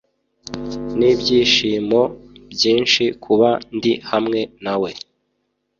Nibyishimo byinshi kuba ndi hamwe nawe.